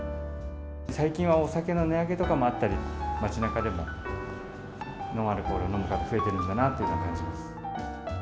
最近はお酒の値上げとかもあったり、街なかでもノンアルコール飲む方が増えてるんだなと感じています。